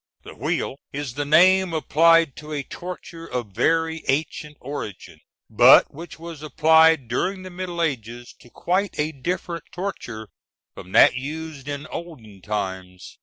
The wheel is the name applied to a torture of very ancient origin, but which was applied during the Middle Ages to quite a different torture from that used in olden times.